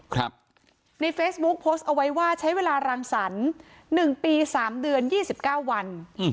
ครับในเฟซบุ๊คโพสต์เอาไว้ว่าใช้เวลารังสรรค์๑ปี๓เดือน๒๙วัน